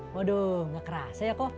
waduh gak kerasa ya kok